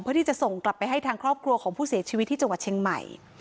เพื่อที่จะส่งกลับไปให้ทางครอบครัวของผู้เสียชีวิตที่จังหวัดเชียงใหม่